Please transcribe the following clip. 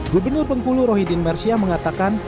gubernur bengkulu rohidin mersia mengatakan